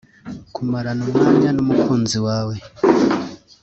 Kumarana umwanya n’umukunzi wawe